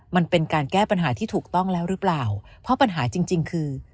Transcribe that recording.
มันเป็นการแก้ปัญหาที่ถูกต้องแล้วหรือเปล่าเพราะปัญหาจริงจริงคือ